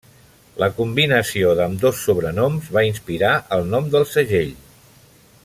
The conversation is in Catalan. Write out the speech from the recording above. La combinació d'ambdós sobrenoms va inspirar el nom del segell.